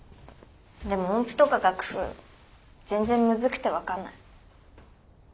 でも音符とか楽譜全然むずくて分かんない。